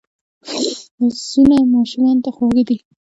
لاسونه ماشومانو ته خواږه دي